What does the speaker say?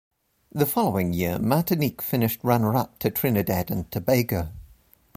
The following year, Martinique finished runner-up to Trinidad and Tobago.